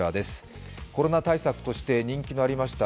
コロナ対策として人気のありました